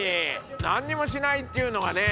何にもしないっていうのがね。